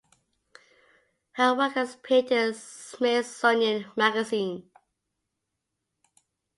Her work has appeared in "Smithsonian" magazine.